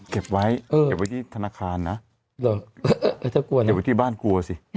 เก็บไว้ที่ธนาคารนะเก็บไว้ที่บ้านกลัวสิ